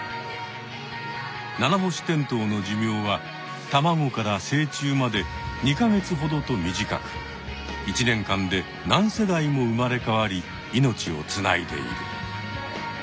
ナナホシテントウの寿命はたまごから成虫まで２か月ほどと短く１年間で何世代も生まれ変わり命をつないでいる。